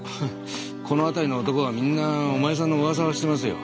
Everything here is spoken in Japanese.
この辺りの男はみんなお前さんの噂をしてますよ。